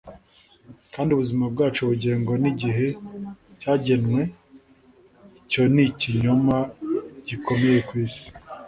kandi ubuzima bwacu bugengwa nigihe cyagenwe icyo ni ikinyoma gikomeye ku isi